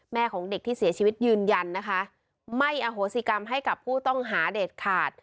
ของเด็กที่เสียชีวิตยืนยันนะคะไม่อโหสิกรรมให้กับผู้ต้องหาเด็ดขาด